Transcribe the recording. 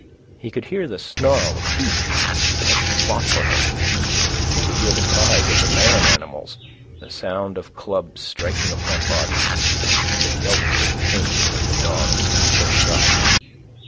He could hear the snarl of Kiche as she fought for him; and he could hear the cries of the man animals, the sound of clubs striking upon bodies, and the yelps of pain from the dogs so struck.